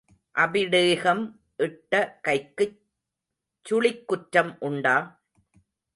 அபிடேகம் இட்ட கைக்குச் சுழிக் குற்றம் உண்டா?